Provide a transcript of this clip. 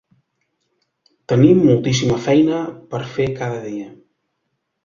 Tenim moltíssima feina per fer cada dia.